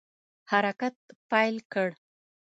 حرکت پیل کړ.